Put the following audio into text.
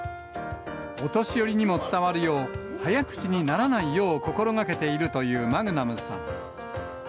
お年寄りにも伝わるよう、早口にならないよう心がけているというマグナムさん。